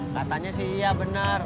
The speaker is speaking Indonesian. katanya sih iya bener